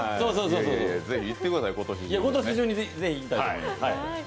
今年中にぜひ行きたいと思います。